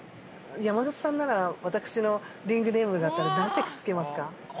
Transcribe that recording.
山里さんなら、私のリングネームだったら何てつけますか。